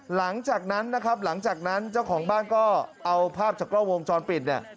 หลังจากนั้นนะครับหลังจากนั้นเจ้าของบ้านก็เอาภาพจากกล้องวงจรปิดเนี่ย